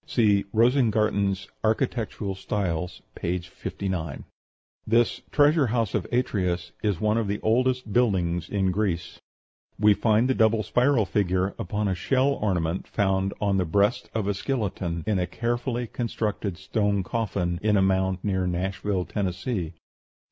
(See "Rosengarten's Architectural Styles," p. 59.) This Treasure House of Atreus is one of the oldest buildings in Greece. We find the double spiral figure upon a shell ornament found on the breast of a skeleton, in a carefully constructed stone coffin, in a mound near Nashville, Tennessee.